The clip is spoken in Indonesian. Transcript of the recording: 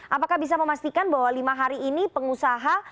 apakah bisa memastikan bahwa lima hari ini pengusaha